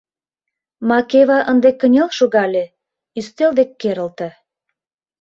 Макева ынде кынел шогале, ӱстел дек керылте.